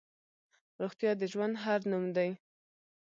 روغتیا د ژوند هر نوم دی.